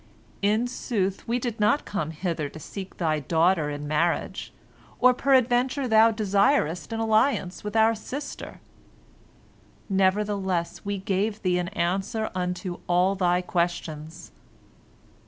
In sooth, we did not come hither to seek thy daughter in marriage, or peradventure thou desirest an alliance with our sister? Nevertheless we gave thee an answer unto all thy questions."